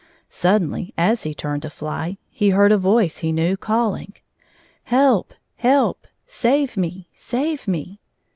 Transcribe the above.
Suddenly, as he turned to fly, he heard a voice he knew, calling :" Help ! Help ! Save me ! Save me